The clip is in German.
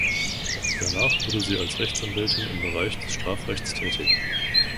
Danach wurde sie als Rechtsanwältin im Bereich des Strafrechts tätig.